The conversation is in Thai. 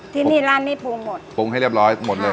ที่นี่ร้านนี้ปรุงหมด